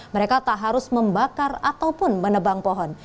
mereka tak harus membakar ataupun menebang pohon